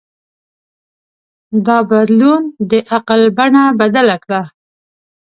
دا بدلون د عقل بڼه بدله کړه.